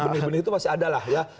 bener bener itu masih ada lah ya